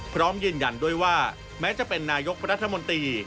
พร้อมยืนยันด้วยว่าแม้จะเป็นนายกรัฐมนตรี